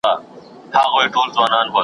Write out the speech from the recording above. په میدان کي یې وو مړی غځېدلی .